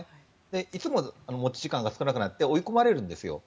いつも持ち時間が少なくなって追い込まれるんですよ。